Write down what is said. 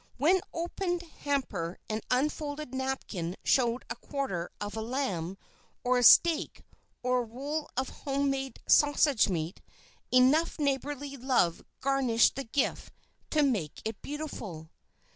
When opened hamper and unfolded napkin showed a quarter of lamb, or a steak, or a roll of home made "sausage meat," enough neighborly love garnished the gift to make it beautiful.